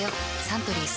サントリー「翠」